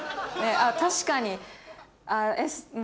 確かに。